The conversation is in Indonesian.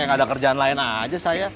ada kerjaan lain aja saya